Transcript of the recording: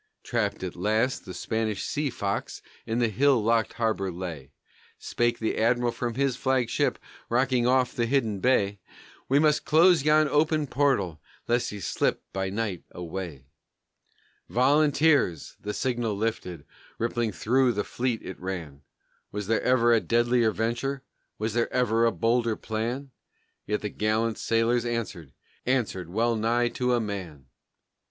Trapped at last the Spanish sea fox in the hill locked harbor lay; Spake the Admiral from his flagship, rocking off the hidden bay, "We must close yon open portal lest he slip by night away!" "Volunteers!" the signal lifted; rippling through the fleet it ran; Was there ever deadlier venture? was there ever bolder plan? Yet the gallant sailors answered, answered well nigh to a man!